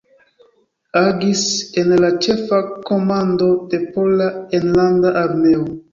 Agis en la Ĉefa Komando de Pola Enlanda Armeo.